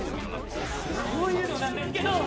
こういうのなんですけど！